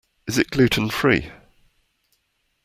Is it gluten-free?